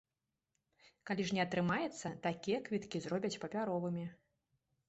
Калі ж не атрымаецца, такія квіткі зробяць папяровымі.